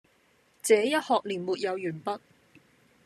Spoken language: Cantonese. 這一學年沒有完畢，